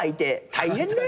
大変だよ。